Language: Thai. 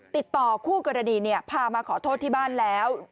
ติดต่อคู่กรณีพามาขอโทษที่บ้านแล้ว